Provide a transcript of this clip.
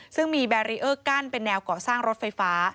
ซึ่งมีแบรีเออร์กั้นเป็นแนวก่อสร้างรถไฟฟ้า